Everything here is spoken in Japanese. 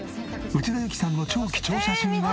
内田有紀さんの超貴重写真がこちら。